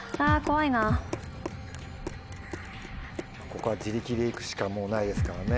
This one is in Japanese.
ここは自力で行くしかもうないですからね。